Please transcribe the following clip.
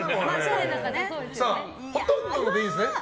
ほとんどでいいですね。